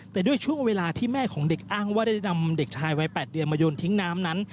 แต่ด้วยช่วงเวลาที่แม่ของเด็กอ้างว่าได้นำเด็กชายวัย๘เดือนมาโยนทิ้งน้ำนั้น